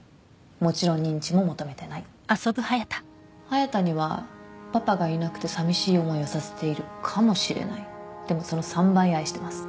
もちろん認知も求めてない隼太にはパパがいなくてさみしい思いをさせているかもしれないでもその３倍愛してます